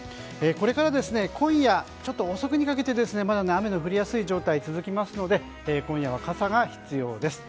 これから今夜遅くにかけてまだ雨の降りやすい状態が続きますので今夜は傘が必要です。